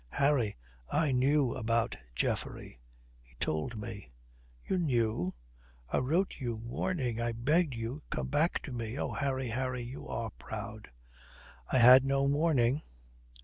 "Harry, I knew about Geoffrey. He told me." "You knew?" I wrote you warning. I begged you come back to me. Oh, Harry, Harry, you are proud." "I had no warning.